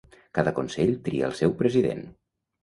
Cada consell tria el seu president.